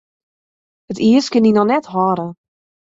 It iis kin dy noch net hâlde.